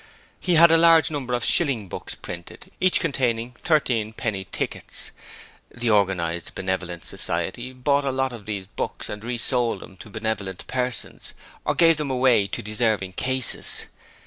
He had a large number of shilling books printed, each containing thirteen penny tickets. The Organized Benevolence Society bought a lot of these books and resold them to benevolent persons, or gave them away to 'deserving cases'.